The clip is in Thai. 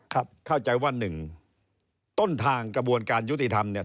ครับเข้าใจว่า๑ต้นทางกระบวนการยุติธรรมเนี่ย